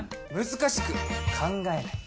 難しく考えない。